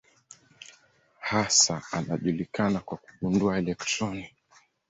Hasa anajulikana kwa kugundua elektroni.